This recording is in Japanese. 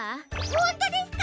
ほんとですか！？